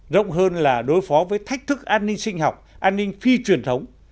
rộng hơn là đối phó với thách thức an ninh sinh học an ninh phi truyền thống